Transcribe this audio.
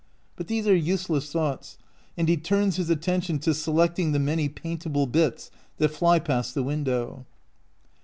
But these are useless thoughts, and he turns his attention to selecting the many paintable bits that fly past the win dow.